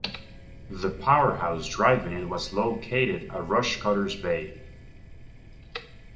The powerhouse driving it was located at Rushcutters Bay.